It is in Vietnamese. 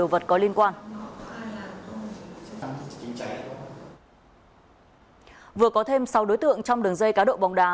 vừa có thêm sáu đối tượng trong đường dây cá độ bóng đá